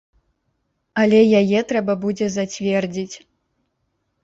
Але яе трэба будзе зацвердзіць.